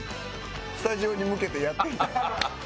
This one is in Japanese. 「スタジオに向けてやっていた」